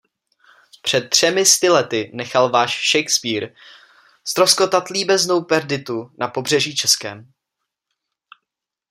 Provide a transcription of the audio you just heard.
Před třemi sty lety nechal váš Shakespeare ztroskotat líbeznou Perditu na pobřeží českém.